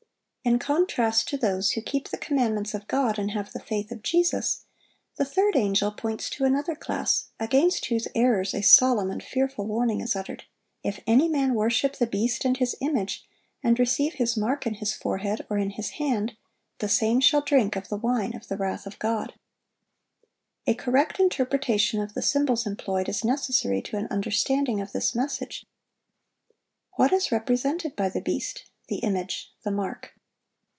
In contrast to those who keep the commandments of God and have the faith of Jesus, the third angel points to another class, against whose errors a solemn and fearful warning is uttered: "If any man worship the beast and his image, and receive his mark in his forehead, or in his hand, the same shall drink of the wine of the wrath of God."(734) A correct interpretation of the symbols employed is necessary to an understanding of this message. What is represented by the beast, the image, the mark?